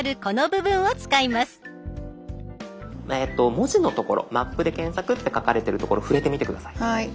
文字の所「マップで検索」って書かれてる所触れてみて下さい。